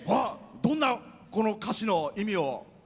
どんな歌詞の意味を。